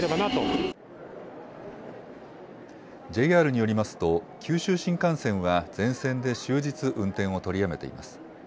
ＪＲによりますと、九州新幹線は全線で終日運転を取りやめています。